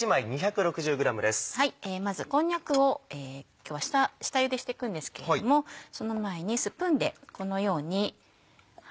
まずこんにゃくを今日は下ゆでしていくんですけれどもその前にスプーンでこのように。